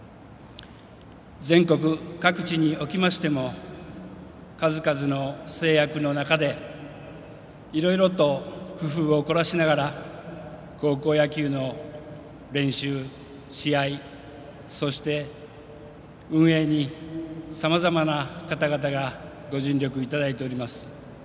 全国各地におきましても数々の制約の中でいろいろと工夫を凝らしながら高校野球の練習、試合そして運営にさまざまな方々がご尽力いただいております。